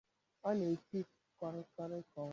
ọ na-eti korikori ka ọnwa